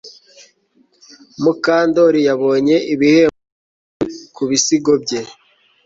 Mukandoli yabonye ibihembo byinshi kubisigo bye